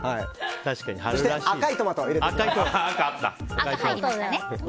そして赤いトマトを入れていきます。